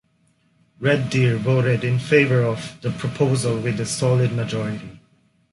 Red Deer voted in favour of the proposal with a solid majority.